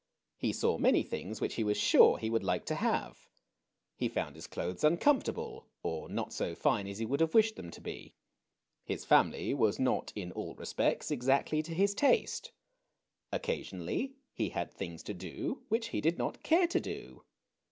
He saw many things which he was sure he would like to have. He found his clothes uncomfortable; or not so fine as he would have wished them to be. His family 228 THE CHILDREN'S WONDER BOOK. was not^ in all respects^ exactly to his taste. Occasionally lie had things to do which he did not care to do.